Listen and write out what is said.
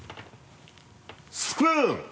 スプーン！